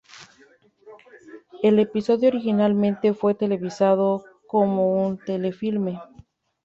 El episodio originalmente fue televisado como un Telefilme.